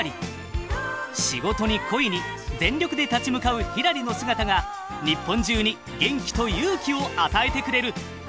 仕事に恋に全力で立ち向かうひらりの姿が日本中に元気と勇気を与えてくれる！